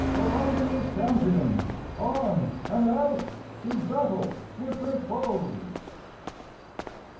Columbia's champions arm and out To battle with her foes!